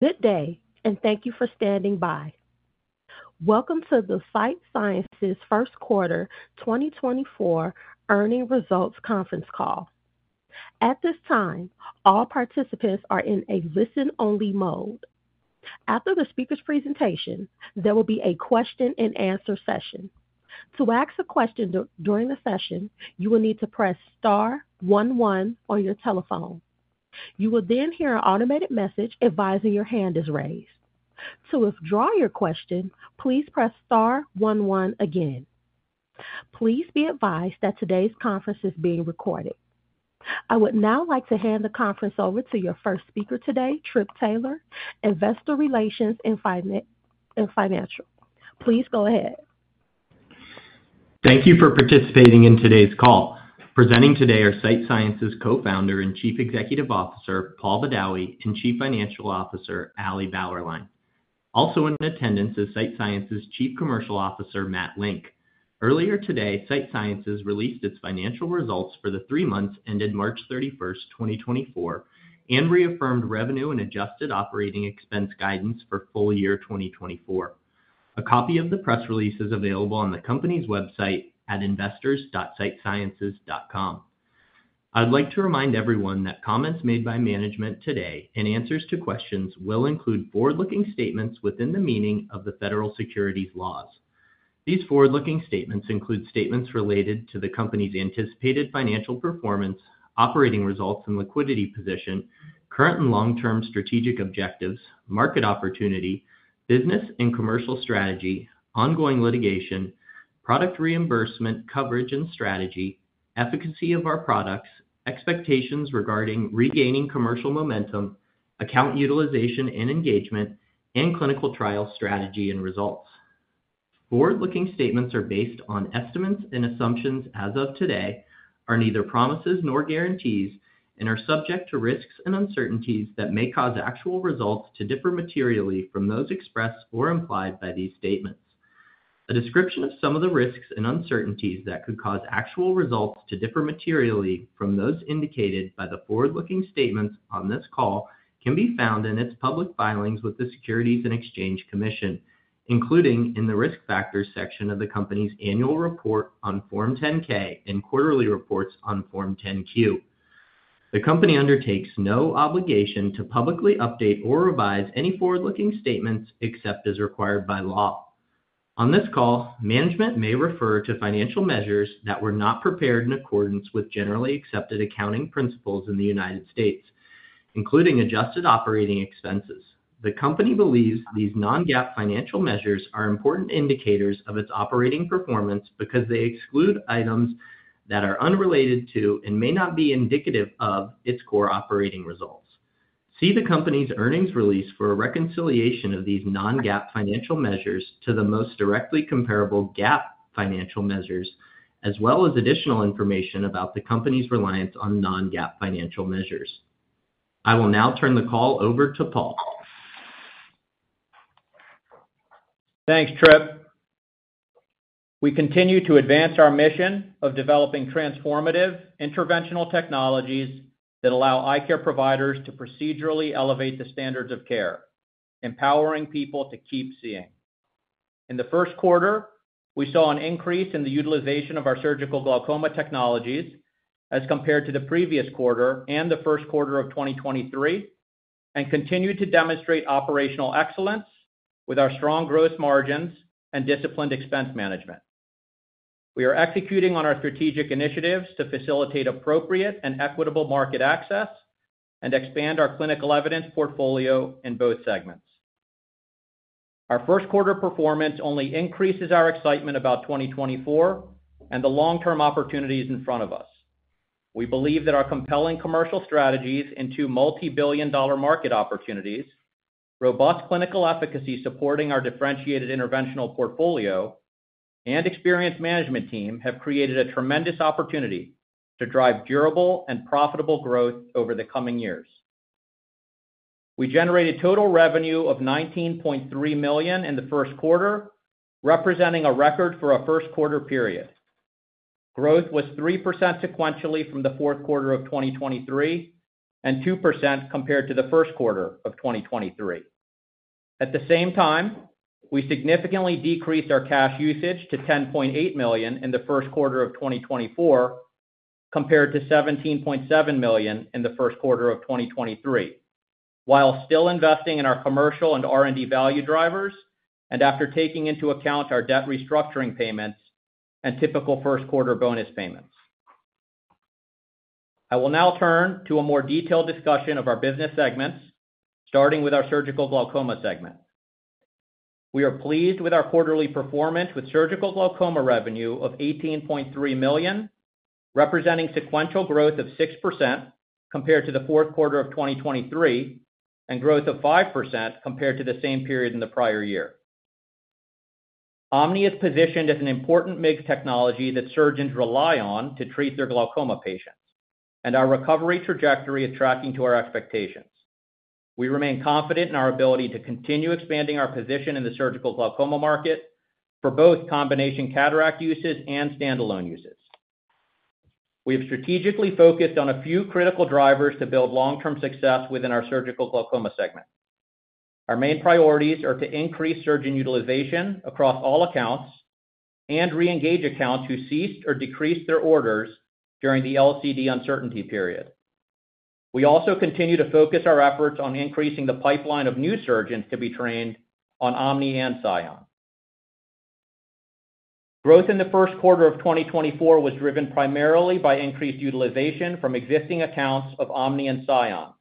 Good day, and thank you for standing by. Welcome to the Sight Sciences First Quarter 2024 Earnings Results Conference Call. At this time, all participants are in a listen-only mode. After the speaker's presentation, there will be a question and answer session. To ask a question during the session, you will need to press star one one on your telephone. You will then hear an automated message advising your hand is raised. To withdraw your question, please press star one one again. Please be advised that today's conference is being recorded. I would now like to hand the conference over to your first speaker today, Tripp Taylor, Investor Relations and Financial. Please go ahead. Thank you for participating in today's call. Presenting today are Sight Sciences Co-founder and Chief Executive Officer, Paul Badawi, and Chief Financial Officer, Ali Bauerlein. Also in attendance is Sight Sciences Chief Commercial Officer, Matt Link. Earlier today, Sight Sciences released its financial results for the three months ended March 31, 2024, and reaffirmed revenue and adjusted operating expense guidance for full year 2024. A copy of the press release is available on the company's website at investors.sightsciences.com. I'd like to remind everyone that comments made by management today and answers to questions will include forward-looking statements within the meaning of the federal securities laws. These forward-looking statements include statements related to the company's anticipated financial performance, operating results and liquidity position, current and long-term strategic objectives, market opportunity, business and commercial strategy, ongoing litigation, product reimbursement, coverage and strategy, efficacy of our products, expectations regarding regaining commercial momentum, account utilization and engagement, and clinical trial strategy and results. Forward-looking statements are based on estimates and assumptions as of today, are neither promises nor guarantees, and are subject to risks and uncertainties that may cause actual results to differ materially from those expressed or implied by these statements. A description of some of the risks and uncertainties that could cause actual results to differ materially from those indicated by the forward-looking statements on this call can be found in its public filings with the Securities and Exchange Commission, including in the Risk Factors section of the company's annual report on Form 10-K and quarterly reports on Form 10-Q. The company undertakes no obligation to publicly update or revise any forward-looking statements except as required by law. On this call, management may refer to financial measures that were not prepared in accordance with generally accepted accounting principles in the United States, including adjusted operating expenses. The company believes these non-GAAP financial measures are important indicators of its operating performance because they exclude items that are unrelated to, and may not be indicative of, its core operating results. See the company's earnings release for a reconciliation of these non-GAAP financial measures to the most directly comparable GAAP financial measures, as well as additional information about the company's reliance on non-GAAP financial measures. I will now turn the call over to Paul. Thanks, Tripp. We continue to advance our mission of developing transformative interventional technologies that allow eye care providers to procedurally elevate the standards of care, empowering people to keep seeing. In the first quarter, we saw an increase in the utilization of our surgical glaucoma technologies as compared to the previous quarter and the first quarter of 2023, and continued to demonstrate operational excellence with our strong gross margins and disciplined expense management. We are executing on our strategic initiatives to facilitate appropriate and equitable market access and expand our clinical evidence portfolio in both segments. Our first quarter performance only increases our excitement about 2024 and the long-term opportunities in front of us. We believe that our compelling commercial strategies in two multi-billion dollar market opportunities, robust clinical efficacy supporting our differentiated interventional portfolio, and experienced management team, have created a tremendous opportunity to drive durable and profitable growth over the coming years. We generated total revenue of $19.3 million in the first quarter, representing a record for our first quarter period. Growth was 3% sequentially from the fourth quarter of 2023, and 2% compared to the first quarter of 2023. At the same time, we significantly decreased our cash usage to $10.8 million in the first quarter of 2024, compared to $17.7 million in the first quarter of 2023, while still investing in our commercial and R&D value drivers, and after taking into account our debt restructuring payments and typical first quarter bonus payments. I will now turn to a more detailed discussion of our business segments, starting with our surgical glaucoma segment. We are pleased with our quarterly performance, with surgical glaucoma revenue of $18.3 million, representing sequential growth of 6% compared to the fourth quarter of 2023, and growth of 5% compared to the same period in the prior year. OMNI is positioned as an important MIGS technology that surgeons rely on to treat their glaucoma patients, and our recovery trajectory is tracking to our expectations. We remain confident in our ability to continue expanding our position in the surgical glaucoma market for both combination cataract uses and standalone uses. We have strategically focused on a few critical drivers to build long-term success within our surgical glaucoma segment. Our main priorities are to increase surgeon utilization across all accounts and reengage accounts who ceased or decreased their orders during the LCD uncertainty period. We also continue to focus our efforts on increasing the pipeline of new surgeons to be trained on OMNI and SION. Growth in the first quarter of 2024 was driven primarily by increased utilization from existing accounts of OMNI and SION,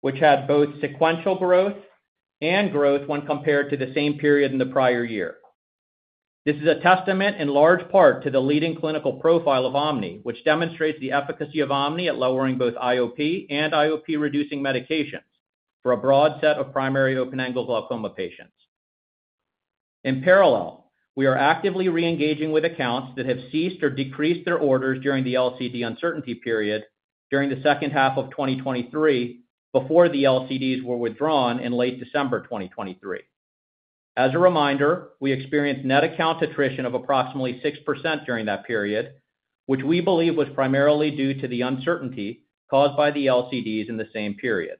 which had both sequential growth and growth when compared to the same period in the prior year. This is a testament, in large part, to the leading clinical profile of OMNI, which demonstrates the efficacy of OMNI at lowering both IOP and IOP-reducing medications for a broad set of primary open-angle glaucoma patients. In parallel, we are actively reengaging with accounts that have ceased or decreased their orders during the LCD uncertainty period during the second half of 2023, before the LCDs were withdrawn in late December 2023. As a reminder, we experienced net account attrition of approximately 6% during that period, which we believe was primarily due to the uncertainty caused by the LCDs in the same period.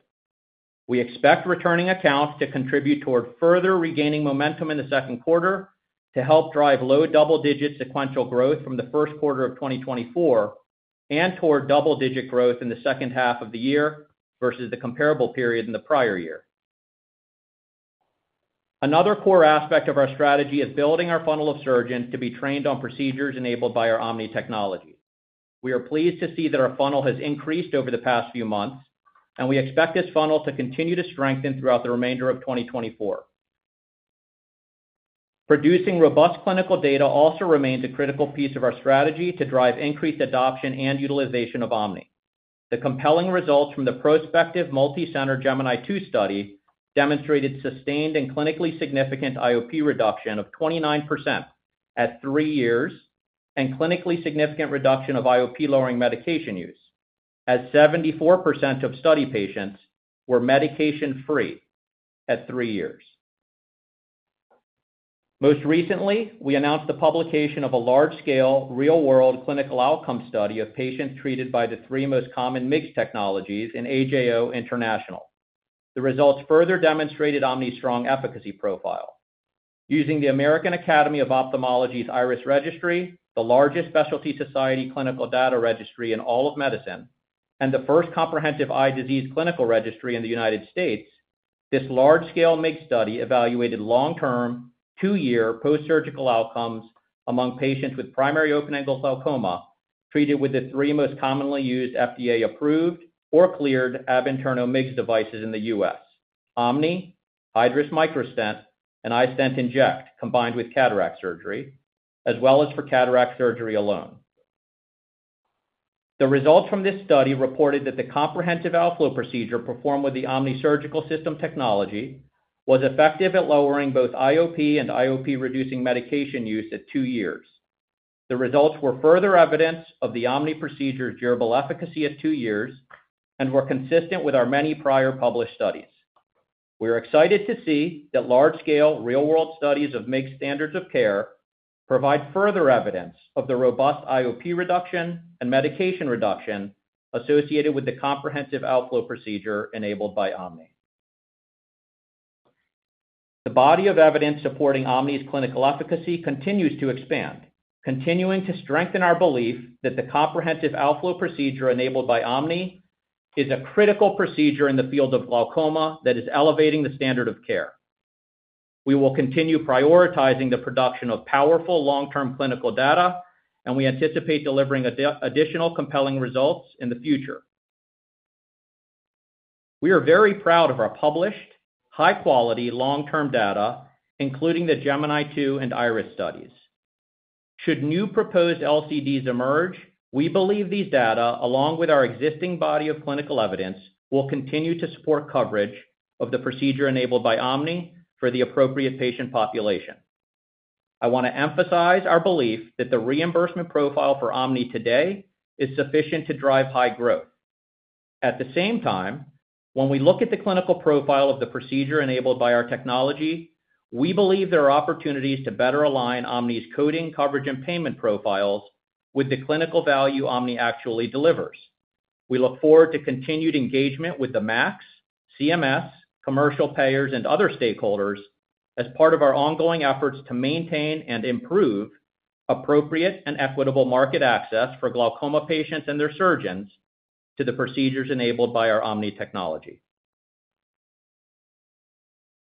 We expect returning accounts to contribute toward further regaining momentum in the second quarter to help drive low double-digit sequential growth from the first quarter of 2024, and toward double-digit growth in the second half of the year versus the comparable period in the prior year. Another core aspect of our strategy is building our funnel of surgeons to be trained on procedures enabled by our OMNI technology. We are pleased to see that our funnel has increased over the past few months, and we expect this funnel to continue to strengthen throughout the remainder of 2024. Producing robust clinical data also remains a critical piece of our strategy to drive increased adoption and utilization of OMNI. The compelling results from the prospective multicenter Gemini 2 study demonstrated sustained and clinically significant IOP reduction of 29% at three years, and clinically significant reduction of IOP lowering medication use, as 74% of study patients were medication-free at three years. Most recently, we announced the publication of a large-scale, real-world clinical outcome study of patients treated by the three most common MIGS technologies in AJO International. The results further demonstrated OMNI's strong efficacy profile. Using the American Academy of Ophthalmology's IRIS Registry, the largest specialty society clinical data registry in all of medicine, and the first comprehensive eye disease clinical registry in the United States, this large-scale MIGS study evaluated long-term, two-year postsurgical outcomes among patients with primary open-angle glaucoma treated with the three most commonly used FDA-approved or cleared ab interno MIGS devices in the U.S.: OMNI, Hydrus Microstent, and iStent inject, combined with cataract surgery, as well as for cataract surgery alone. The results from this study reported that the comprehensive outflow procedure performed with the OMNI Surgical System technology was effective at lowering both IOP and IOP-reducing medication use at two years. The results were further evidence of the OMNI procedure's durable efficacy at two years and were consistent with our many prior published studies. We are excited to see that large-scale, real-world studies of MIGS standards of care provide further evidence of the robust IOP reduction and medication reduction associated with the comprehensive outflow procedure enabled by OMNI. The body of evidence supporting OMNI's clinical efficacy continues to expand, continuing to strengthen our belief that the comprehensive outflow procedure enabled by OMNI is a critical procedure in the field of glaucoma that is elevating the standard of care. We will continue prioritizing the production of powerful long-term clinical data, and we anticipate delivering additional compelling results in the future. We are very proud of our published, high-quality, long-term data, including the Gemini 2 and IRIS studies. Should new proposed LCDs emerge, we believe these data, along with our existing body of clinical evidence, will continue to support coverage of the procedure enabled by OMNI for the appropriate patient population. I want to emphasize our belief that the reimbursement profile for OMNI today is sufficient to drive high growth. At the same time, when we look at the clinical profile of the procedure enabled by our technology, we believe there are opportunities to better align OMNI's coding, coverage, and payment profiles with the clinical value OMNI actually delivers. We look forward to continued engagement with the MACs, CMS, commercial payers, and other stakeholders as part of our ongoing efforts to maintain and improve appropriate and equitable market access for glaucoma patients and their surgeons to the procedures enabled by our OMNI technology.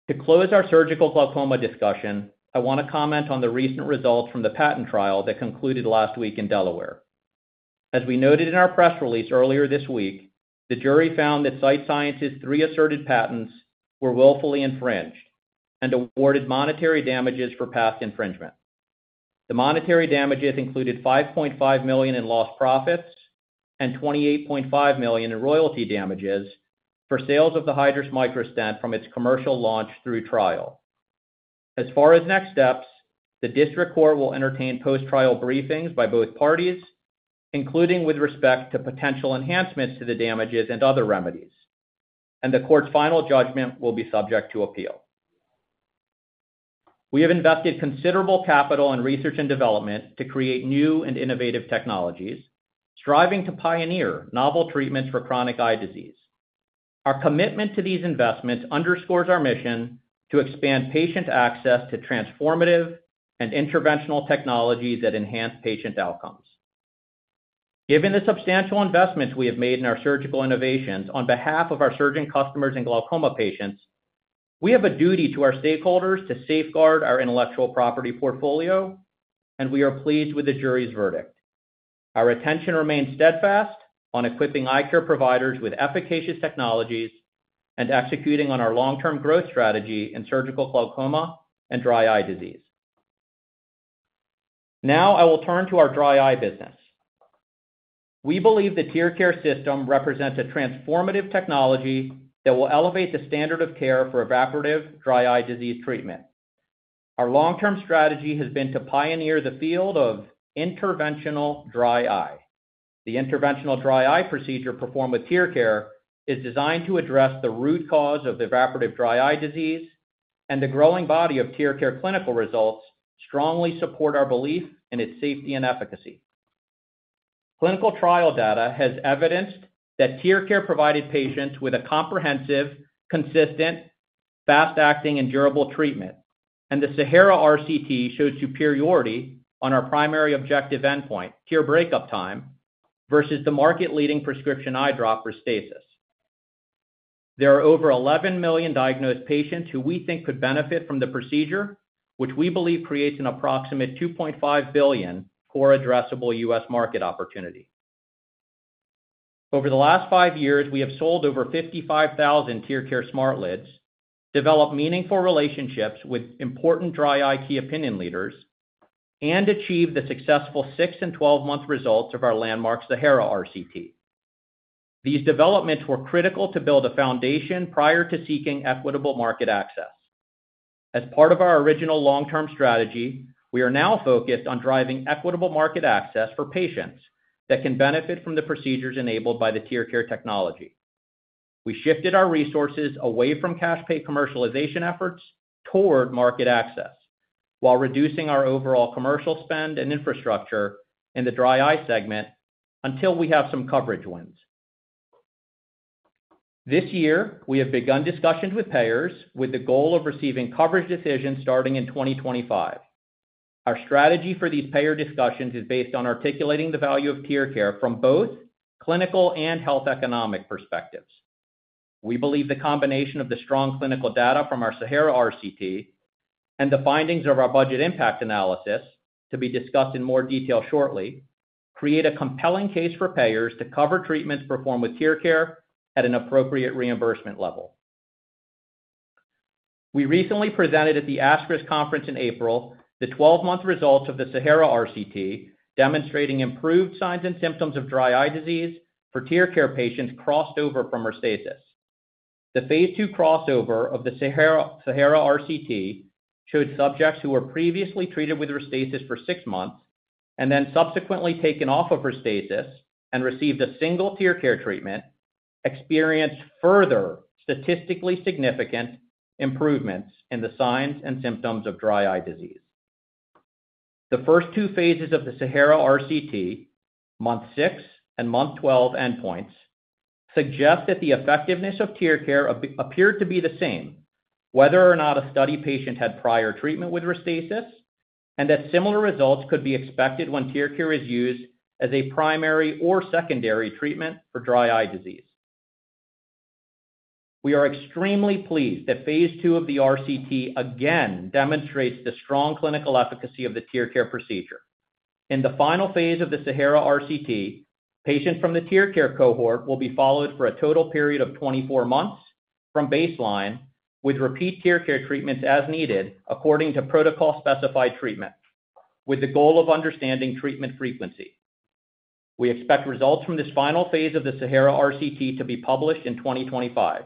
To close our surgical glaucoma discussion, I want to comment on the recent results from the patent trial that concluded last week in Delaware. As we noted in our press release earlier this week, the jury found that Sight Sciences' three asserted patents were willfully infringed and awarded monetary damages for past infringement. The monetary damages included $5.5 million in lost profits and $28.5 million in royalty damages for sales of the Hydrus Microstent from its commercial launch through trial. As far as next steps, the district court will entertain post-trial briefings by both parties, including with respect to potential enhancements to the damages and other remedies, and the court's final judgment will be subject to appeal. We have invested considerable capital in research and development to create new and innovative technologies, striving to pioneer novel treatments for chronic eye disease. Our commitment to these investments underscores our mission to expand patient access to transformative and interventional technologies that enhance patient outcomes. Given the substantial investments we have made in our surgical innovations on behalf of our surgeon customers and glaucoma patients, we have a duty to our stakeholders to safeguard our intellectual property portfolio, and we are pleased with the jury's verdict. Our attention remains steadfast on equipping eye care providers with efficacious technologies and executing on our long-term growth strategy in surgical glaucoma and dry eye disease. Now I will turn to our dry eye business. We believe the TearCare system represents a transformative technology that will elevate the standard of care for evaporative dry eye disease treatment. Our long-term strategy has been to pioneer the field of interventional dry eye. The interventional dry eye procedure performed with TearCare is designed to address the root cause of the evaporative dry eye disease, and the growing body of TearCare clinical results strongly support our belief in its safety and efficacy. Clinical trial data has evidenced that TearCare provided patients with a comprehensive, consistent, fast-acting, and durable treatment, and the Sahara RCT showed superiority on our primary objective endpoint, tear break-up time, versus the market-leading prescription eye drop, Restasis. There are over 11 million diagnosed patients who we think could benefit from the procedure, which we believe creates an approximate $2.5 billion core addressable U.S. market opportunity. Over the last 5 years, we have sold over 55,000 TearCare SmartLids, developed meaningful relationships with important dry eye key opinion leaders, and achieved the successful six- and 12-month results of our landmark Sahara RCT. These developments were critical to build a foundation prior to seeking equitable market access. As part of our original long-term strategy, we are now focused on driving equitable market access for patients that can benefit from the procedures enabled by the TearCare technology. We shifted our resources away from cash pay commercialization efforts toward market access, while reducing our overall commercial spend and infrastructure in the dry eye segment until we have some coverage wins. This year, we have begun discussions with payers with the goal of receiving coverage decisions starting in 2025. Our strategy for these payer discussions is based on articulating the value of TearCare from both clinical and health economic perspectives. We believe the combination of the strong clinical data from our Sahara RCT and the findings of our budget impact analysis, to be discussed in more detail shortly, create a compelling case for payers to cover treatments performed with TearCare at an appropriate reimbursement level. We recently presented at the ASCRS conference in April, the 12-month results of the Sahara RCT, demonstrating improved signs and symptoms of dry eye disease for TearCare patients crossed over from Restasis. The Phase II crossover of the Sahara, Sahara RCT showed subjects who were previously treated with Restasis for six months and then subsequently taken off of Restasis and received a single TearCare treatment, experienced further statistically significant improvements in the signs and symptoms of dry eye disease. The first two phases of the Sahara RCT, month six and month 12 endpoints, suggest that the effectiveness of TearCare appeared to be the same, whether or not a study patient had prior treatment with Restasis, and that similar results could be expected when TearCare is used as a primary or secondary treatment for dry eye disease. We are extremely pleased that Phase II of the RCT again demonstrates the strong clinical efficacy of the TearCare procedure. In the final phase of the Sahara RCT, patients from the TearCare cohort will be followed for a total period of 24 months from baseline, with repeat TearCare treatments as needed, according to protocol-specified treatment, with the goal of understanding treatment frequency. We expect results from this final phase of the Sahara RCT to be published in 2025.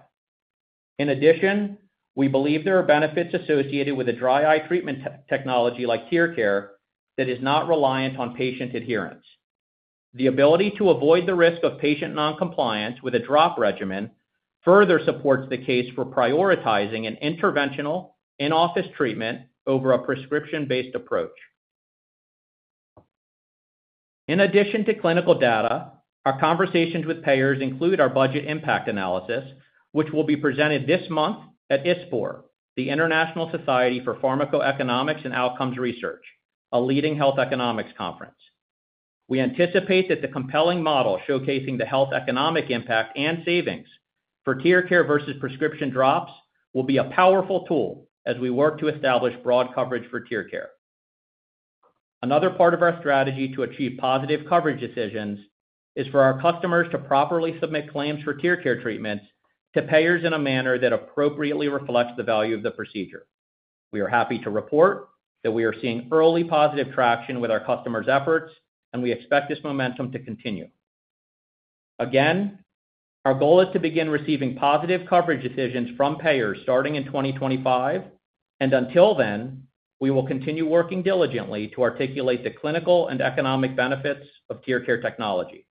In addition, we believe there are benefits associated with a dry eye treatment technology like TearCare that is not reliant on patient adherence. The ability to avoid the risk of patient noncompliance with a drop regimen further supports the case for prioritizing an interventional in-office treatment over a prescription-based approach. In addition to clinical data, our conversations with payers include our budget impact analysis, which will be presented this month at ISPOR, the International Society for Pharmacoeconomics and Outcomes Research, a leading health economics conference. We anticipate that the compelling model showcasing the health economic impact and savings for TearCare versus prescription drops will be a powerful tool as we work to establish broad coverage for TearCare. Another part of our strategy to achieve positive coverage decisions is for our customers to properly submit claims for TearCare treatments to payers in a manner that appropriately reflects the value of the procedure. We are happy to report that we are seeing early positive traction with our customers' efforts, and we expect this momentum to continue. Again, our goal is to begin receiving positive coverage decisions from payers starting in 2025, and until then, we will continue working diligently to articulate the clinical and economic benefits of TearCare technology.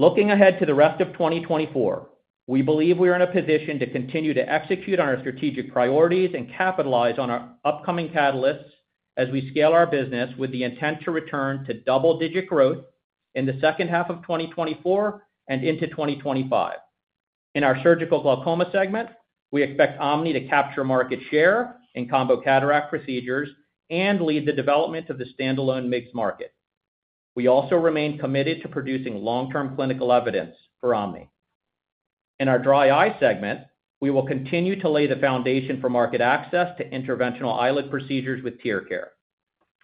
Looking ahead to the rest of 2024, we believe we are in a position to continue to execute on our strategic priorities and capitalize on our upcoming catalysts as we scale our business, with the intent to return to double-digit growth in the second half of 2024 and into 2025. In our surgical glaucoma segment, we expect OMNI to capture market share in combo cataract procedures and lead the development of the standalone MIGS market. We also remain committed to producing long-term clinical evidence for OMNI. In our dry eye segment, we will continue to lay the foundation for market access to interventional eyelid procedures with TearCare.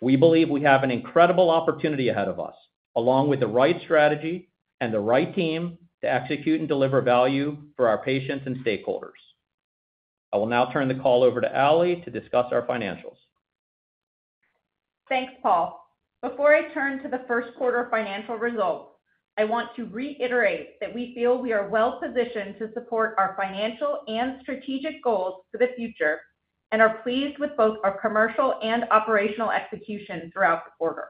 We believe we have an incredible opportunity ahead of us, along with the right strategy and the right team to execute and deliver value for our patients and stakeholders. I will now turn the call over to Ali to discuss our financials. Thanks, Paul. Before I turn to the first quarter financial results, I want to reiterate that we feel we are well positioned to support our financial and strategic goals for the future, and are pleased with both our commercial and operational execution throughout the quarter.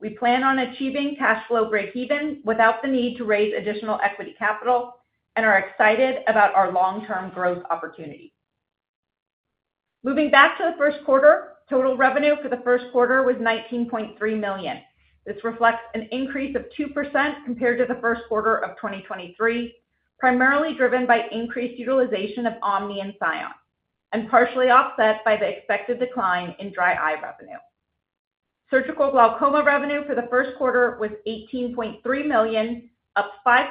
We plan on achieving cash flow breakeven without the need to raise additional equity capital, and are excited about our long-term growth opportunity. Moving back to the first quarter, total revenue for the first quarter was $19.3 million. This reflects an increase of 2% compared to the first quarter of 2023, primarily driven by increased utilization of OMNI and SION, and partially offset by the expected decline in dry eye revenue. Surgical glaucoma revenue for the first quarter was $18.3 million, up 5%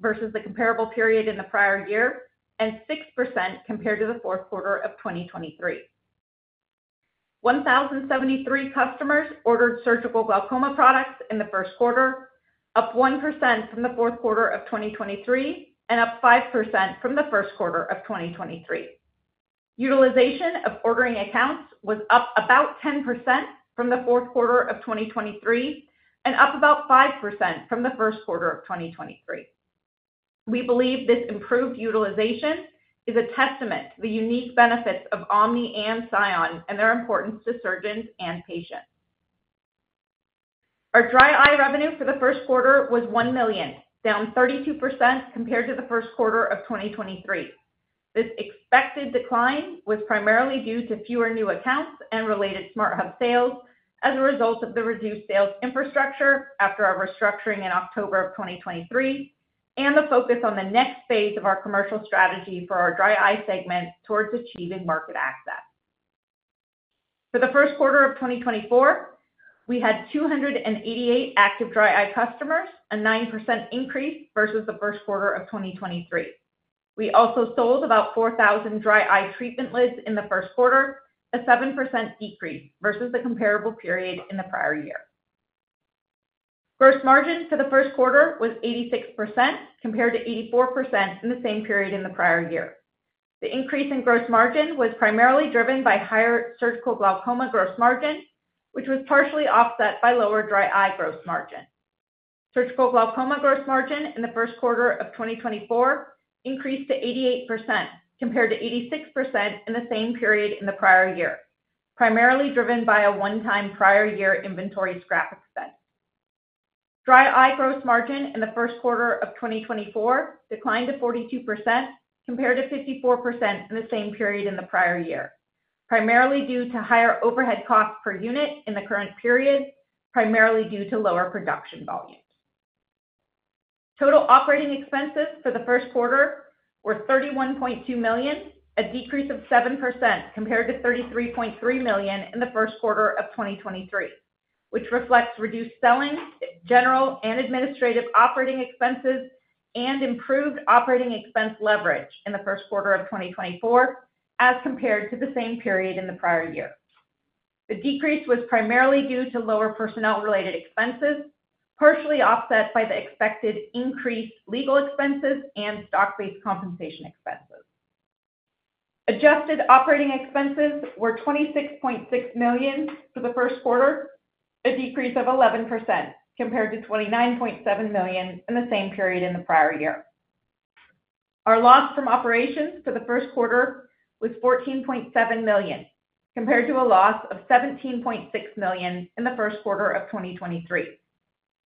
versus the comparable period in the prior year, and 6% compared to the fourth quarter of 2023. 1,073 customers ordered surgical glaucoma products in the first quarter, up 1% from the fourth quarter of 2023, and up 5% from the first quarter of 2023. Utilization of ordering accounts was up about 10% from the fourth quarter of 2023, and up about 5% from the first quarter of 2023. We believe this improved utilization is a testament to the unique benefits of Omni and Sion and their importance to surgeons and patients. Our dry eye revenue for the first quarter was $1 million, down 32% compared to the first quarter of 2023. This expected decline was primarily due to fewer new accounts and related SmartHub sales as a result of the reduced sales infrastructure after our restructuring in October of 2023, and the focus on the next phase of our commercial strategy for our dry eye segment towards achieving market access. For the first quarter of 2024, we had 288 active dry eye customers, a 9% increase versus the first quarter of 2023. We also sold about 4,000 dry eye treatment lids in the first quarter, a 7% decrease versus the comparable period in the prior year. Gross margin for the first quarter was 86%, compared to 84% in the same period in the prior year. The increase in gross margin was primarily driven by higher surgical glaucoma gross margin, which was partially offset by lower dry eye gross margin. Surgical glaucoma gross margin in the first quarter of 2024 increased to 88%, compared to 86% in the same period in the prior year, primarily driven by a one-time prior year inventory scrap expense. Dry eye gross margin in the first quarter of 2024 declined to 42%, compared to 54% in the same period in the prior year, primarily due to higher overhead costs per unit in the current period, primarily due to lower production volumes. Total operating expenses for the first quarter were $31.2 million, a decrease of 7% compared to $33.3 million in the first quarter of 2023, which reflects reduced selling, general and administrative operating expenses and improved operating expense leverage in the first quarter of 2024 as compared to the same period in the prior year. The decrease was primarily due to lower personnel-related expenses, partially offset by the expected increased legal expenses and stock-based compensation expenses. Adjusted operating expenses were $26.6 million for the first quarter, a decrease of 11% compared to $29.7 million in the same period in the prior year. Our loss from operations for the first quarter was $14.7 million, compared to a loss of $17.6 million in the first quarter of 2023.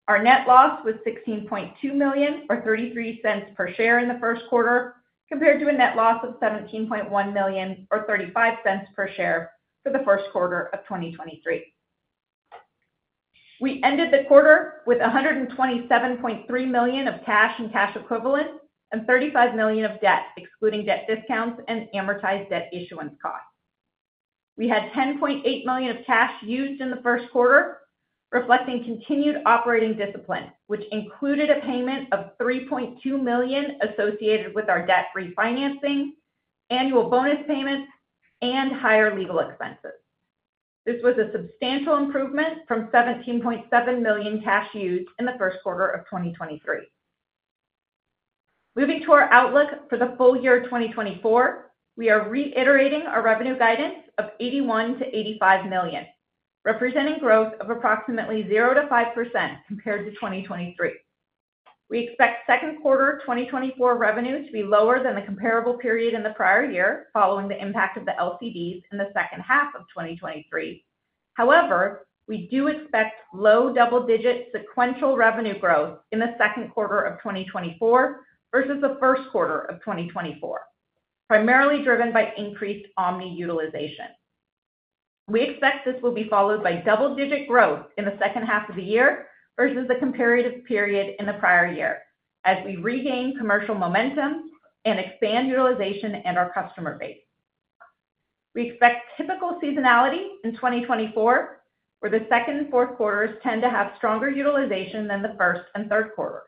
Our net loss was $16.2 million, or $0.33 per share in the first quarter, compared to a net loss of $17.1 million, or $0.35 per share for the first quarter of 2023. We ended the quarter with $127.3 million of cash and cash equivalents, and $35 million of debt, excluding debt discounts and amortized debt issuance costs. We had $10.8 million of cash used in the first quarter, reflecting continued operating discipline, which included a payment of $3.2 million associated with our debt refinancing, annual bonus payments, and higher legal expenses. This was a substantial improvement from $17.7 million cash used in the first quarter of 2023. Moving to our outlook for the full year 2024, we are reiterating our revenue guidance of $81 million-$85 million, representing growth of approximately 0%-5% compared to 2023. We expect second quarter 2024 revenue to be lower than the comparable period in the prior year, following the impact of the LCDs in the second half of 2023. However, we do expect low double-digit sequential revenue growth in the second quarter of 2024 versus the first quarter of 2024, primarily driven by increased OMNI utilization. We expect this will be followed by double-digit growth in the second half of the year versus the comparative period in the prior year, as we regain commercial momentum and expand utilization and our customer base. We expect typical seasonality in 2024, where the second and fourth quarters tend to have stronger utilization than the first and third quarters.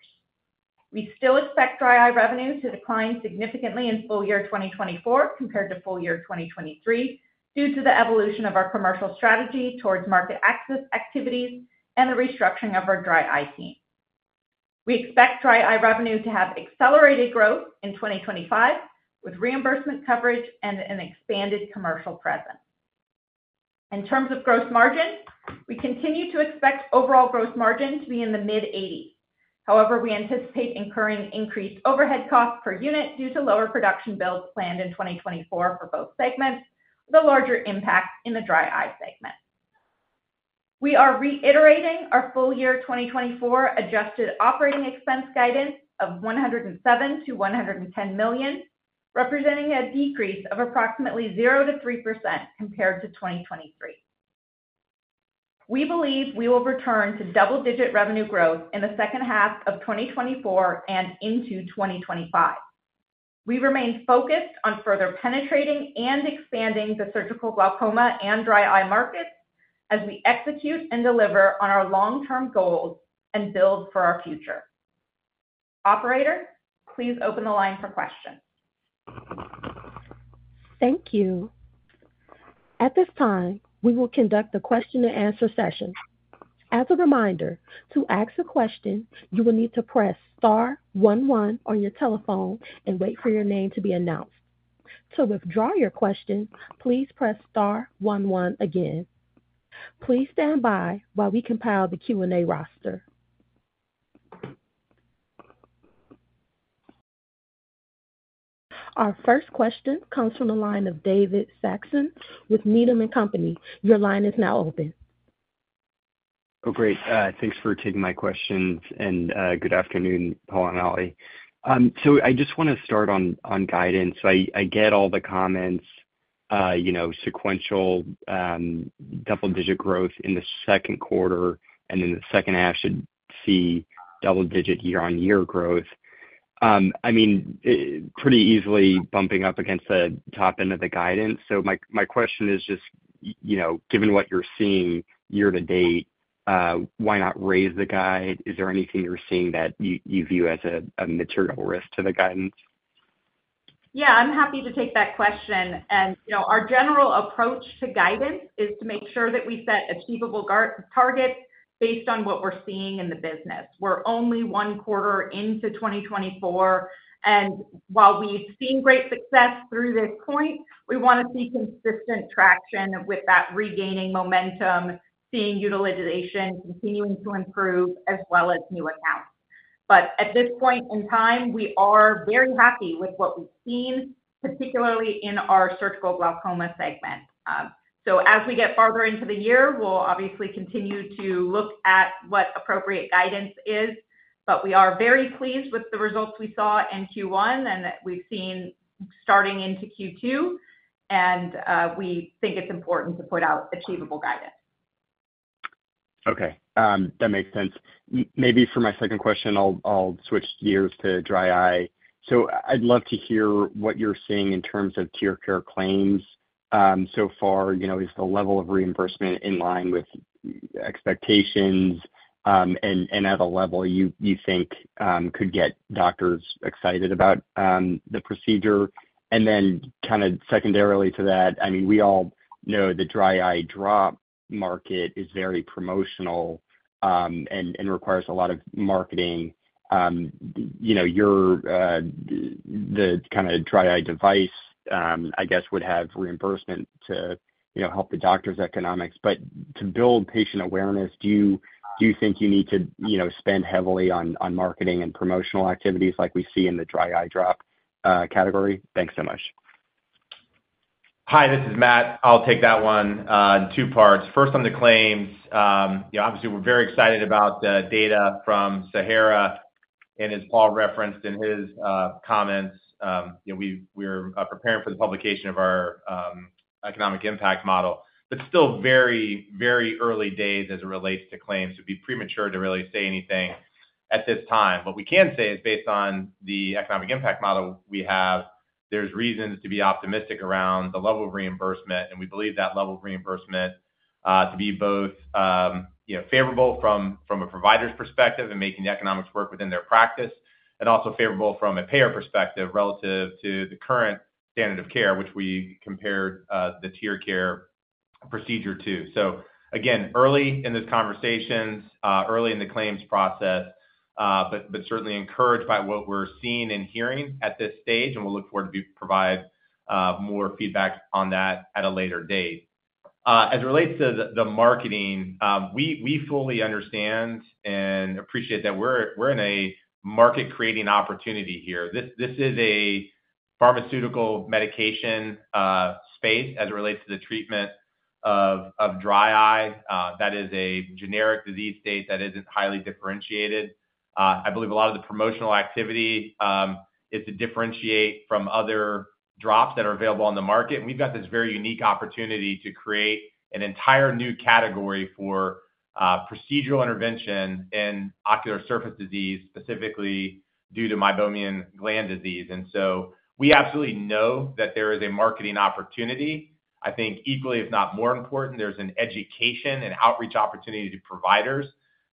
We still expect dry eye revenue to decline significantly in full year 2024 compared to full year 2023, due to the evolution of our commercial strategy towards market access activities and the restructuring of our dry eye team. We expect dry eye revenue to have accelerated growth in 2025, with reimbursement coverage and an expanded commercial presence. In terms of gross margin, we continue to expect overall gross margin to be in the mid-80%s. However, we anticipate incurring increased overhead costs per unit due to lower production builds planned in 2024 for both segments, with a larger impact in the dry eye segment. We are reiterating our full year 2024 adjusted operating expense guidance of $107 million-$110 million, representing a decrease of approximately 0%-3% compared to 2023. We believe we will return to double-digit revenue growth in the second half of 2024 and into 2025. We remain focused on further penetrating and expanding the surgical glaucoma and dry eye markets as we execute and deliver on our long-term goals and build for our future. Operator, please open the line for questions. Thank you. At this time, we will conduct a question and answer session. As a reminder, to ask a question, you will need to press star one one on your telephone and wait for your name to be announced. To withdraw your question, please press star one one again. Please stand by while we compile the Q&A roster. Our first question comes from the line of David Saxon with Needham and Company. Your line is now open. Oh, great. Thanks for taking my questions, and, good afternoon, Paul and Ali. So I just want to start on, on guidance. I, I get all the comments, you know, sequential, double-digit growth in the second quarter, and then the second half should see double digit year-on-year growth. I mean, pretty easily bumping up against the top end of the guidance. So my, my question is just, you know, given what you're seeing year to date, why not raise the guide? Is there anything you're seeing that you, you view as a, a material risk to the guidance? Yeah, I'm happy to take that question. And, you know, our general approach to guidance is to make sure that we set achievable targets based on what we're seeing in the business. We're only one quarter into 2024, and while we've seen great success through this point, we want to see consistent traction with that regaining momentum, seeing utilization continuing to improve, as well as new accounts. But at this point in time, we are very happy with what we've seen, particularly in our surgical glaucoma segment. So as we get farther into the year, we'll obviously continue to look at what appropriate guidance is, but we are very pleased with the results we saw in Q1 and that we've seen starting into Q2, and, we think it's important to put out achievable guidance. Okay, that makes sense. Maybe for my second question, I'll switch gears to dry eye. So I'd love to hear what you're seeing in terms of TearCare claims. So far, you know, is the level of reimbursement in line with expectations, and at a level you think could get doctors excited about the procedure? And then kind of secondarily to that, I mean, we all know the dry eye drop market is very promotional, and requires a lot of marketing. You know, your, the kind of dry eye device, I guess, would have reimbursement to help the doctor's economics. But to build patient awareness, do you think you need to spend heavily on marketing and promotional activities like we see in the dry eye drop category? Thanks so much. Hi, this is Matt. I'll take that one in two parts. First, on the claims, you know, obviously, we're very excited about the data from Sahara, and as Paul referenced in his comments, you know, we're preparing for the publication of our economic impact model. But still very, very early days as it relates to claims. It'd be premature to really say anything at this time. What we can say is based on the economic impact model we have, there's reasons to be optimistic around the level of reimbursement, and we believe that level of reimbursement to be both, you know, favorable from a provider's perspective and making the economics work within their practice, and also favorable from a payer perspective relative to the current standard of care, which we compared the TearCare procedure to. So again, early in this conversations, early in the claims process, but, but certainly encouraged by what we're seeing and hearing at this stage, and we'll look forward to provide, more feedback on that at a later date. As it relates to the, the marketing, we, we fully understand and appreciate that we're, we're in a market-creating opportunity here. This, this is pharmaceutical medication, space as it relates to the treatment of, of dry eye, that is a generic disease state that isn't highly differentiated. I believe a lot of the promotional activity, is to differentiate from other drops that are available on the market. We've got this very unique opportunity to create an entire new category for, procedural intervention in ocular surface disease, specifically due to Meibomian gland disease. We absolutely know that there is a marketing opportunity. I think equally, if not more important, there's an education and outreach opportunity to providers.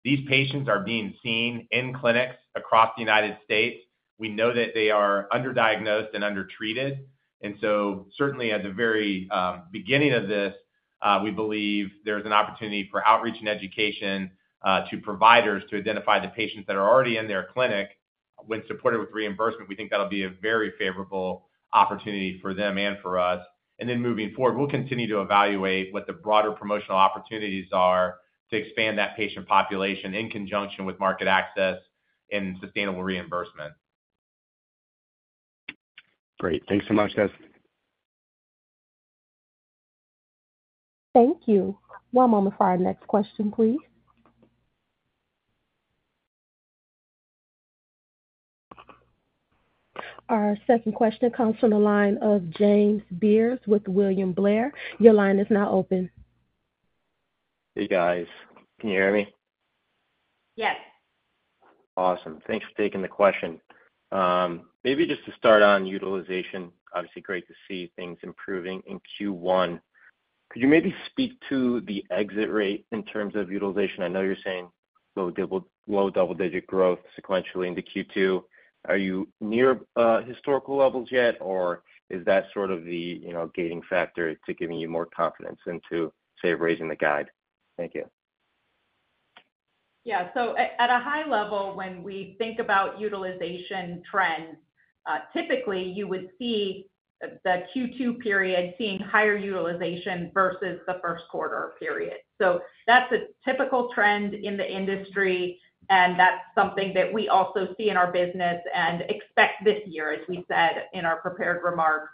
These patients are being seen in clinics across the United States. We know that they are underdiagnosed and undertreated, and so certainly at the very beginning of this, we believe there's an opportunity for outreach and education to providers to identify the patients that are already in their clinic. When supported with reimbursement, we think that'll be a very favorable opportunity for them and for us. Then moving forward, we'll continue to evaluate what the broader promotional opportunities are to expand that patient population in conjunction with market access and sustainable reimbursement. Great. Thanks so much, guys. Thank you. One moment for our next question, please. Our second question comes from the line of James Beers with William Blair. Your line is now open. Hey, guys, can you hear me? Yes. Awesome. Thanks for taking the question. Maybe just to start on utilization. Obviously great to see things improving in Q1. Could you maybe speak to the exit rate in terms of utilization? I know you're saying low double, low double-digit growth sequentially into Q2. Are you near historical levels yet, or is that sort of the, you know, gating factor to giving you more confidence into, say, raising the guide? Thank you. Yeah. So at a high level, when we think about utilization trends, typically you would see the Q2 period seeing higher utilization versus the first quarter period. So that's a typical trend in the industry, and that's something that we also see in our business and expect this year. As we said in our prepared remarks,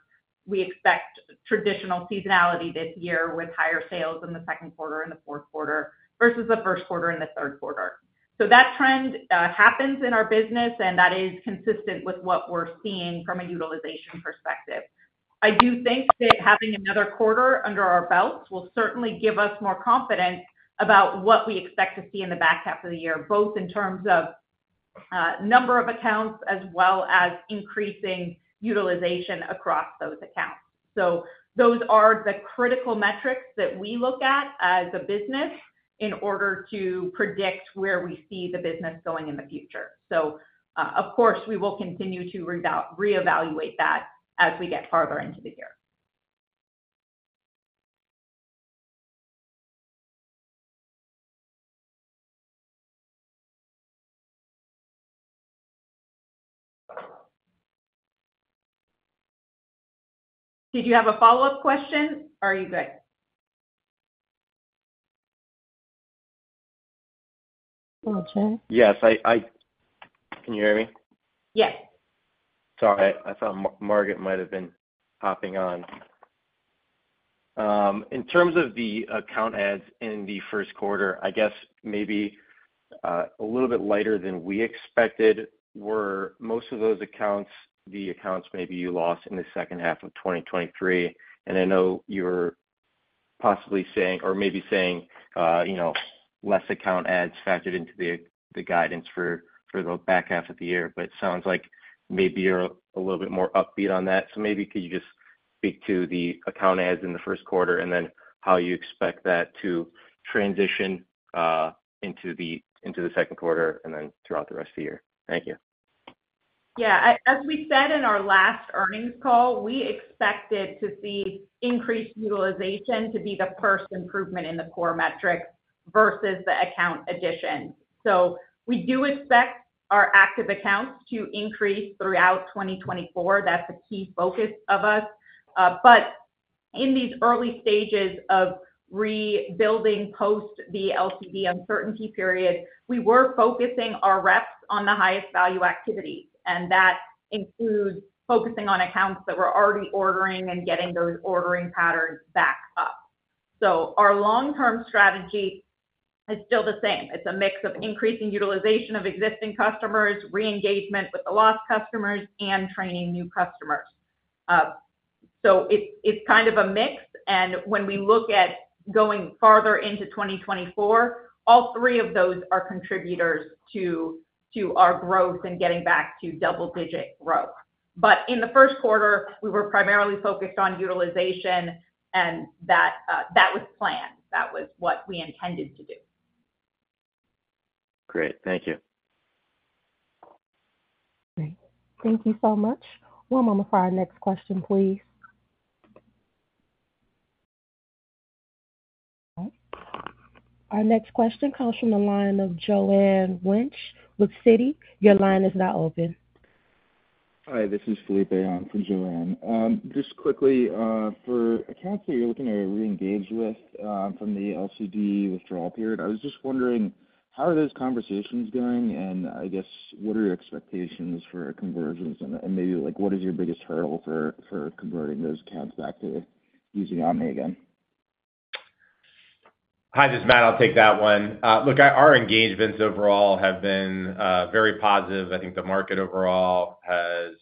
we expect traditional seasonality this year, with higher sales in the second quarter and the fourth quarter versus the first quarter and the third quarter. So that trend happens in our business, and that is consistent with what we're seeing from a utilization perspective. I do think that having another quarter under our belt will certainly give us more confidence about what we expect to see in the back half of the year, both in terms of number of accounts as well as increasing utilization across those accounts. So those are the critical metrics that we look at as a business in order to predict where we see the business going in the future. So, of course, we will continue to reevaluate that as we get farther into the year. Did you have a follow-up question or are you good? Okay. Yes, I. Can you hear me? Yes. Sorry, I thought Margaret might have been hopping on. In terms of the account adds in the first quarter, I guess maybe a little bit lighter than we expected, were most of those accounts, the accounts maybe you lost in the second half of 2023. And I know you're possibly saying or maybe saying, you know, less account adds factored into the guidance for the back half of the year, but sounds like maybe you're a little bit more upbeat on that. So maybe could you just speak to the account adds in the first quarter, and then how you expect that to transition into the second quarter, and then throughout the rest of the year? Thank you. Yeah, as we said in our last Earnings Call, we expected to see increased utilization to be the first improvement in the core metrics versus the account addition. So we do expect our active accounts to increase throughout 2024. That's a key focus of us. But in these early stages of rebuilding post the LCD uncertainty period, we were focusing our reps on the highest value activities, and that includes focusing on accounts that were already ordering and getting those ordering patterns back up. So our long-term strategy is still the same. It's a mix of increasing utilization of existing customers, reengagement with the lost customers, and training new customers. So it's kind of a mix, and when we look at going farther into 2024, all three of those are contributors to our growth and getting back to double-digit growth. But in the first quarter, we were primarily focused on utilization and that, that was planned. That was what we intended to do. Great. Thank you. Great. Thank you so much. One moment for our next question, please. Our next question comes from the line of Joanne Wuensch with Citi. Your line is now open. Hi, this is Felipe from Joanne. Just quickly, for accounts that you're looking to reengage with from the LCD withdrawal period, I was just wondering, how are those conversations going? And I guess, what are your expectations for conversions, and maybe, like, what is your biggest hurdle for converting those accounts back to using OMNI again? Hi, this is Matt. I'll take that one. Look, our engagements overall have been very positive. I think the market overall has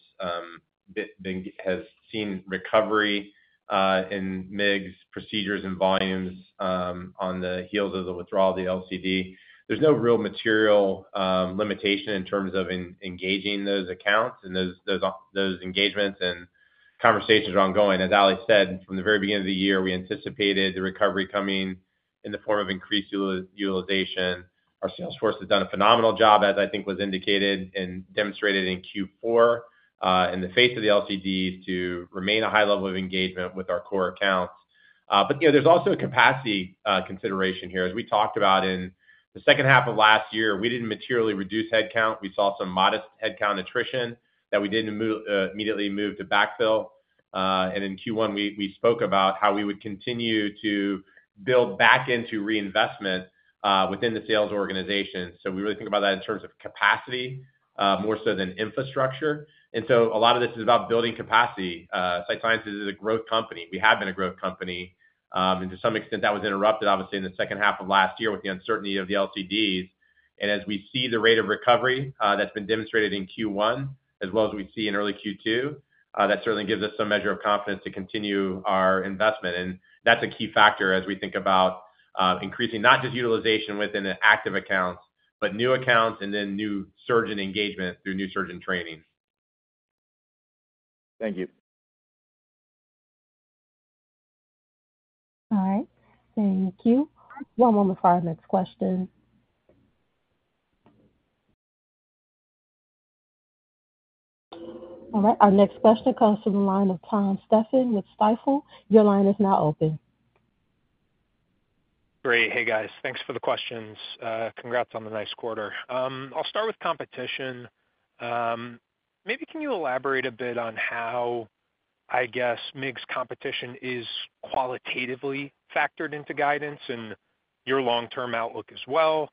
seen recovery in MIGS procedures and volumes on the heels of the withdrawal of the LCD. There's no real material limitation in terms of engaging those accounts, and those engagements and conversations are ongoing. As Ali said, from the very beginning of the year, we anticipated the recovery coming in the form of increased utilization. Our sales force has done a phenomenal job, as I think was indicated and demonstrated in Q4, in the face of the LCD, to remain a high level of engagement with our core accounts. But, you know, there's also a capacity consideration here. As we talked about in the second half of last year, we didn't materially reduce headcount. We saw some modest headcount attrition that we didn't immediately move to backfill. And in Q1, we spoke about how we would continue to build back into reinvestment within the sales organization. So we really think about that in terms of capacity more so than infrastructure. And so a lot of this is about building capacity. Sight Sciences is a growth company. We have been a growth company, and to some extent, that was interrupted, obviously, in the second half of last year with the uncertainty of the LCDs. And as we see the rate of recovery that's been demonstrated in Q1, as well as we see in early Q2, that certainly gives us some measure of confidence to continue our investment. That's a key factor as we think about increasing not just utilization within the active accounts, but new accounts and then new surgeon engagement through new surgeon training. Thank you. All right, thank you. One moment for our next question. All right, our next question comes from the line of Tom Stephan with Stifel. Your line is now open. Great. Hey, guys. Thanks for the questions. Congrats on the nice quarter. I'll start with competition. Maybe can you elaborate a bit on how, I guess, MIGS competition is qualitatively factored into guidance and your long-term outlook as well?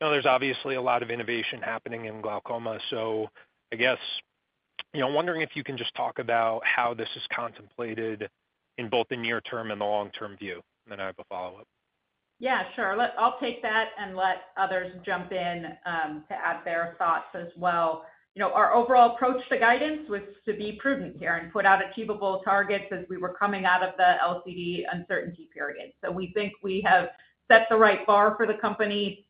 I know there's obviously a lot of innovation happening in glaucoma, so I guess, you know, I'm wondering if you can just talk about how this is contemplated in both the near term and the long-term view. And then I have a follow-up. Yeah, sure. I'll take that and let others jump in to add their thoughts as well. You know, our overall approach to guidance was to be prudent here and put out achievable targets as we were coming out of the LCD uncertainty period. So we think we have set the right bar for the company,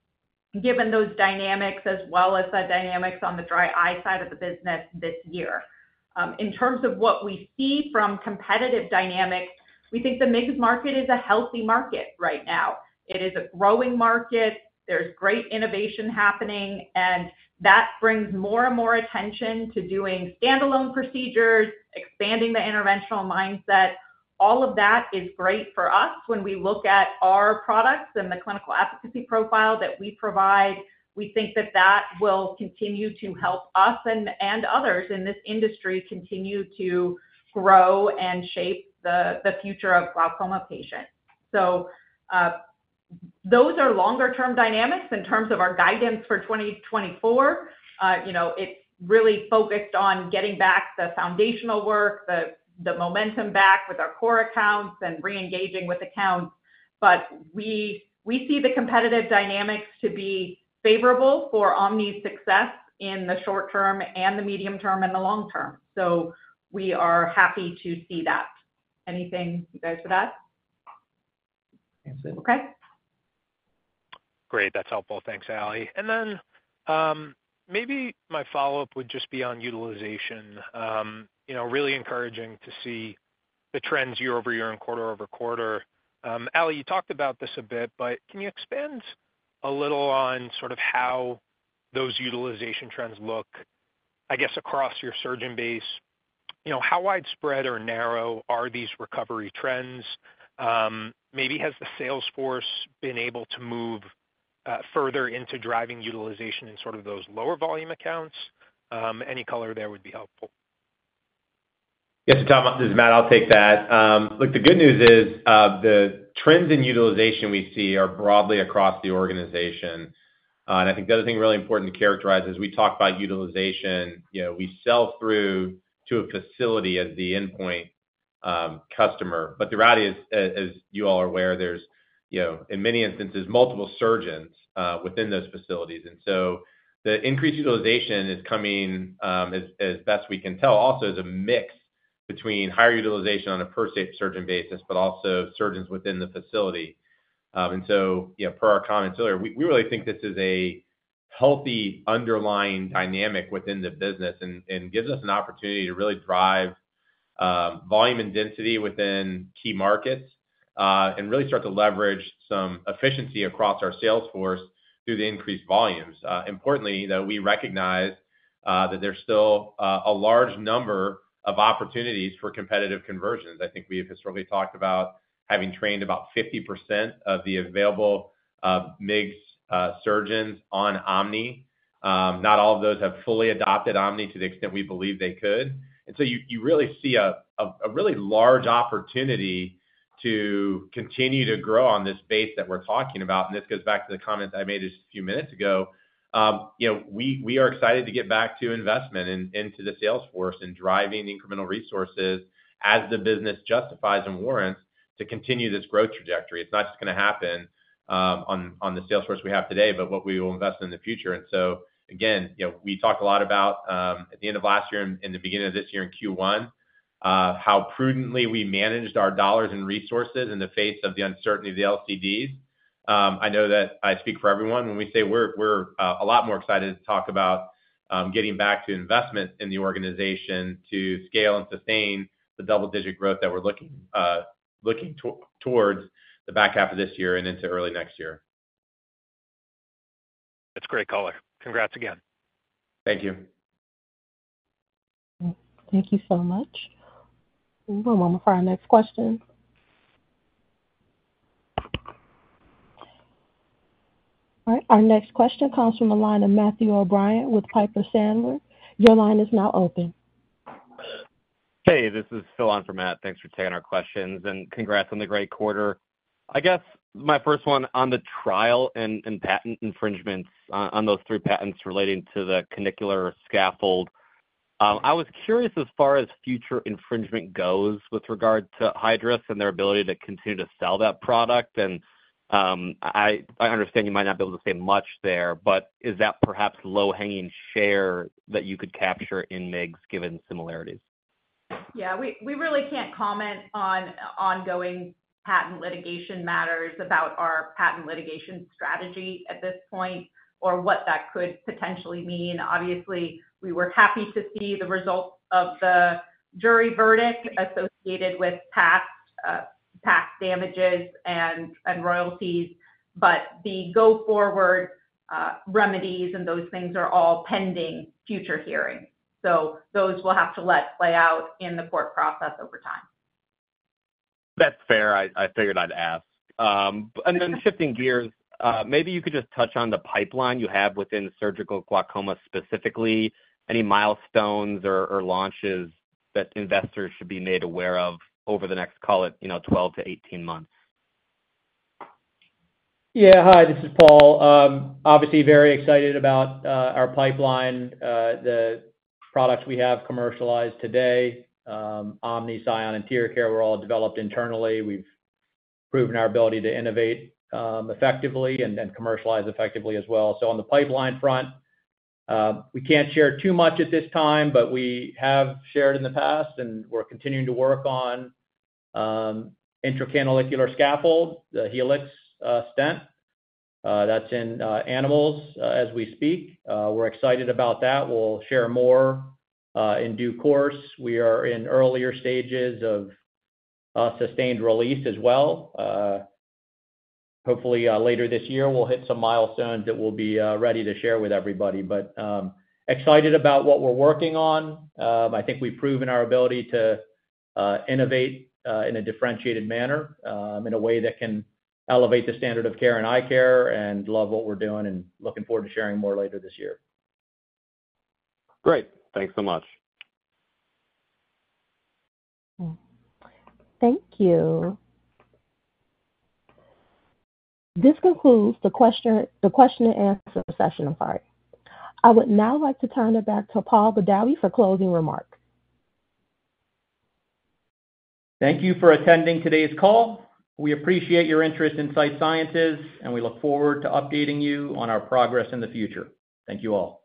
given those dynamics, as well as the dynamics on the dry eye side of the business this year. In terms of what we see from competitive dynamics, we think the MIGS market is a healthy market right now. It is a growing market. There's great innovation happening, and that brings more and more attention to doing standalone procedures, expanding the interventional mindset. All of that is great for us. When we look at our products and the clinical efficacy profile that we provide, we think that that will continue to help us and others in this industry continue to grow and shape the future of glaucoma patients. So, those are longer term dynamics in terms of our guidance for 2024. You know, it's really focused on getting back the foundational work, the momentum back with our core accounts and reengaging with accounts. But we see the competitive dynamics to be favorable for OMNI's success in the short term and the medium term and the long term. So we are happy to see that. Anything, you guys, for that? That's it. Okay. Great. That's helpful. Thanks, Ali. And then, maybe my follow-up would just be on utilization. You know, really encouraging to see the trends year-over-year and quarter-over-quarter. Ali, you talked about this a bit, but can you expand a little on sort of how those utilization trends look, I guess, across your surgeon base? You know, how widespread or narrow are these recovery trends? Maybe has the sales force been able to move, further into driving utilization in sort of those lower volume accounts? Any color there would be helpful. Yes, Tom, this is Matt. I'll take that. Look, the good news is, the trends in utilization we see are broadly across the organization. And I think the other thing really important to characterize is, we talk about utilization, you know, we sell through to a facility as the endpoint customer. But the reality is, as you all are aware, there's, you know, in many instances, multiple surgeons within those facilities. And so the increased utilization is coming, as best we can tell, also as a mix between higher utilization on a per surgeon basis, but also surgeons within the facility. And so, you know, per our comments earlier, we really think this is a healthy underlying dynamic within the business and gives us an opportunity to really drive volume and density within key markets and really start to leverage some efficiency across our sales force through the increased volumes. Importantly, though, we recognize that there's still a large number of opportunities for competitive conversions. I think we've historically talked about having trained about 50% of the available MIGS surgeons on OMNI. Not all of those have fully adopted OMNI to the extent we believe they could. And so you, you really see a, a really large opportunity to continue to grow on this base that we're talking about. And this goes back to the comments I made just a few minutes ago. You know, we, we are excited to get back to investment into the sales force and driving incremental resources as the business justifies and warrants to continue this growth trajectory. It's not just going to happen, on, on the sales force we have today, but what we will invest in the future. And so again, you know, we talk a lot about, at the end of last year and the beginning of this year in Q1, how prudently we managed our dollars and resources in the face of the uncertainty of the LCDs. I know that I speak for everyone when we say we're a lot more excited to talk about getting back to investment in the organization to scale and sustain the double-digit growth that we're looking towards the back half of this year and into early next year. That's great, Ali. Congrats again. Thank you. Thank you so much. One moment for our next question. All right, our next question comes from the line of Matthew O'Brien with Piper Sandler. Your line is now open. Hey, this is Phil on for Matt. Thanks for taking our questions, and congrats on the great quarter. I guess my first one on the trial and patent infringements, on those three patents relating to the intracanalicular scaffold. I was curious, as far as future infringement goes, with regard to Hydrus and their ability to continue to sell that product. And, I understand you might not be able to say much there, but is that perhaps low-hanging share that you could capture in MIGS, given similarities? Yeah, we really can't comment on ongoing patent litigation matters about our patent litigation strategy at this point, or what that could potentially mean. Obviously, we were happy to see the results of the jury verdict associated with past damages and royalties, but the go-forward remedies and those things are all pending future hearings, so those we'll have to let play out in the court process over time. That's fair. I figured I'd ask. And then shifting gears, maybe you could just touch on the pipeline you have within surgical glaucoma, specifically. Any milestones or launches that investors should be made aware of over the next, call it, you know, 12-18 months? Yeah. Hi, this is Paul. Obviously very excited about our pipeline, the products we have commercialized today. OMNI, Sion and TearCare were all developed internally. We've proven our ability to innovate effectively and then commercialize effectively as well. So on the pipeline front, we can't share too much at this time, but we have shared in the past, and we're continuing to work on intracanalicular scaffold, the Helix, stent. That's in animals as we speak. We're excited about that. We'll share more in due course. We are in earlier stages of sustained release as well. Hopefully later this year, we'll hit some milestones that we'll be ready to share with everybody. But excited about what we're working on. I think we've proven our ability to innovate in a differentiated manner, in a way that can elevate the standard of care in eye care and love what we're doing and looking forward to sharing more later this year. Great. Thanks so much. Thank you. This concludes the question and answer session. I'm sorry. I would now like to turn it back to Paul Badawi for closing remarks. Thank you for attending today's call. We appreciate your interest in Sight Sciences, and we look forward to updating you on our progress in the future. Thank you all.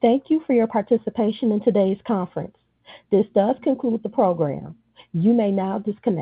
Thank you for your participation in today's conference. This does conclude the program. You may now disconnect.